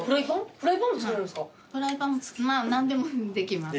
フライパンもまあ何でもできます。